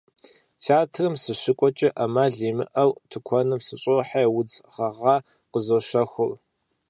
Театрым сыщыкӏуэкӏэ ӏэмал имыӏэу тыкуэным сыщӏохьэри, удз гъэгъа къызощэхур.